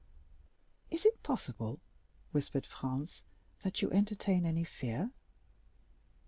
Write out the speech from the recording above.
"Is it possible," whispered Franz, "that you entertain any fear?"